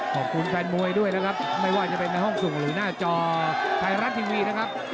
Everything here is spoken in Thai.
ขอบคุณแฟนมวยด้วยนะครับไม่ว่าจะเป็นในห้องส่งหรือหน้าจอไทยรัฐทีวีนะครับ